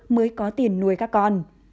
mới có tiền nuôi các con